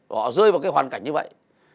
họ rơi vào cái hoàn cảnh như vậy